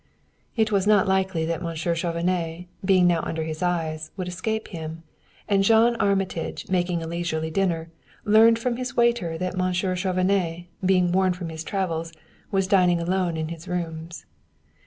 It was not likely that Monsieur Chauvenet, being now under his eyes, would escape him; and John Armitage, making a leisurely dinner, learned from his waiter that Monsieur Chauvenet, being worn from his travels, was dining alone in his rooms.